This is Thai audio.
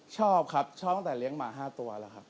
ชอบครับชอบตั้งแต่เลี้ยงหมา๕ตัวแล้วครับ